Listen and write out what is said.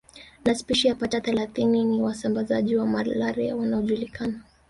Na spishi yapata thelathini ni wasambazaji wa malaria wanaojulikana